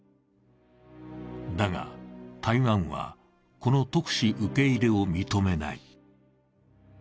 だが、台湾はこの特使受け入れを認めない。